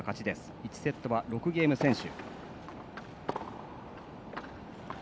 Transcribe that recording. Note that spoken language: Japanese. １セットは６ゲーム先取。